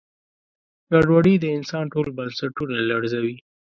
ګډوډي د انسان ټول بنسټونه لړزوي.